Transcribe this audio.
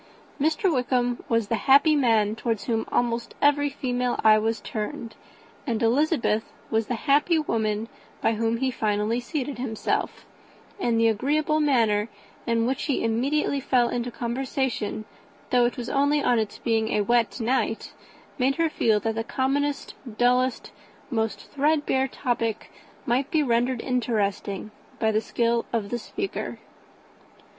_]] Mr. Wickham was the happy man towards whom almost every female eye was turned, and Elizabeth was the happy woman by whom he finally seated himself; and the agreeable manner in which he immediately fell into conversation, though it was only on its being a wet night, and on the probability of a rainy season, made her feel that the commonest, dullest, most threadbare topic might be rendered interesting by the skill of the speaker.